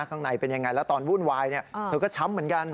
ข้างในเป็นยังไงแล้วตอนวุ่นวายเธอก็ช้ำเหมือนกัน